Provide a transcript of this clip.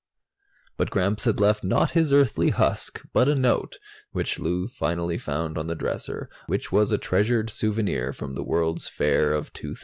But Gramps had left not his Earthly husk but a note, which Lou finally found on the dresser, under a paperweight which was a treasured souvenir from the World's Fair of 2000.